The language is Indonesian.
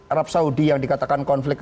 arab saudi yang dikatakan konflik